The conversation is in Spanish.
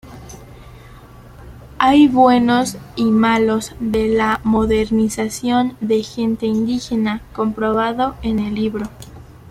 Hay buenos y malos de la modernización de gente indígena comprobado en el libro.